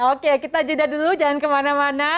oke kita jeda dulu jangan kemana mana